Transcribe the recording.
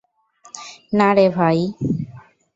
না রে ভাই।